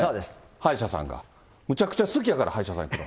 歯医者さんが、むちゃくちゃ好きやから、歯医者さん行くの。